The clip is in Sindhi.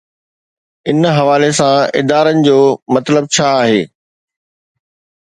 ان حوالي سان ادارن جو مطلب ڇا آهي؟